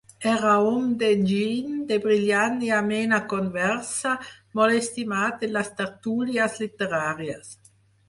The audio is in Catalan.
Era home d'enginy, de brillant i amena conversa, molt estimat en les tertúlies literàries.